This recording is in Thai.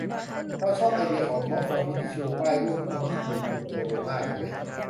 เราชอบไอเดียของม็อบวันนี้ที่ชูป้ายรูปคนที่ถูกคุมตัวไปมากเลย